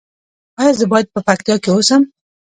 ایا زه باید په پکتیا کې اوسم؟